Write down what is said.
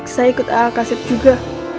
saya ikut aka seb juga